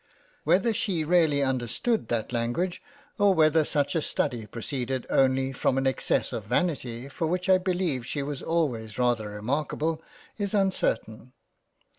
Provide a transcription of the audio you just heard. Whether she really under stood that language or whether such a study proceeded only from an excess of vanity for which I beleive she was always rather remarkable, is uncertain.